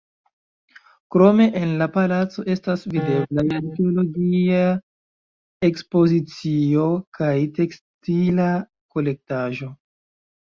Krome en la palaco estas videblaj arkeologia ekspozicio kaj tekstila kolektaĵo.